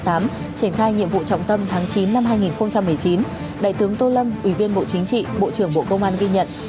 triển khai nhiệm vụ trọng tâm tháng chín năm hai nghìn một mươi chín đại tướng tô lâm ủy viên bộ chính trị bộ trưởng bộ công an ghi nhận